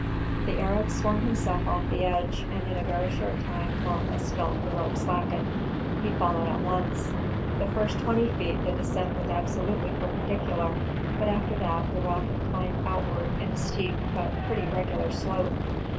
The Arab swung himself off the edge, and in a very short time Malchus felt the rope slacken. He followed at once. The first twenty feet the descent was absolutely perpendicular, but after that the rock inclined outward in a steep but pretty regular slope.